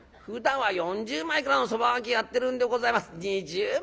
ふだんは４０枚からのそば賭けやってるんでございます。